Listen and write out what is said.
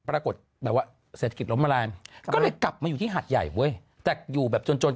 รัตนสัสดารามียักษ์สองตน